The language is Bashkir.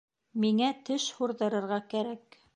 Миңә теш һурҙырырға кәрәк